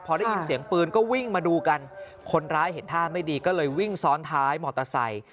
พอได้ยินเสียงปืนก็วิ่งมาดูกันคนร้ายเห็นท่าไม่ดีก็เลยวิ่งซ้อนท้ายมอเตอร์ไซค์